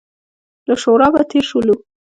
له شورابه تېر شولو.